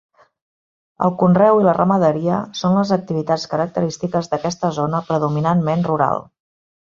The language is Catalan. El conreu i la ramaderia són les activitats característiques d'aquesta zona predominantment rural.